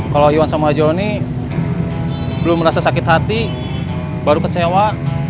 kalau iwan sama johnny belum merasa sakit hati baru kecewa